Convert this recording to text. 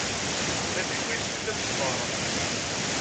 Yenna-d Yuba yessefk ad nesbeṛ.